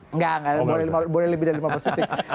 enggak boleh lebih dari lima belas detik